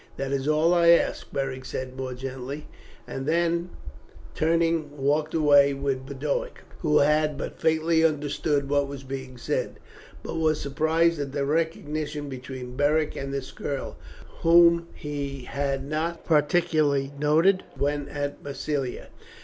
"That is all I ask," Beric said more gently; and then turning walked away with Boduoc, who had but faintly understood what was being said, but was surprised at the recognition between Beric and this girl, whom he had not particularly noticed when at Massilia.